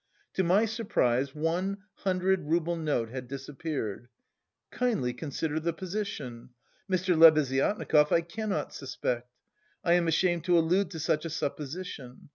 To my surprise one hundred rouble note had disappeared. Kindly consider the position. Mr. Lebeziatnikov I cannot suspect. I am ashamed to allude to such a supposition.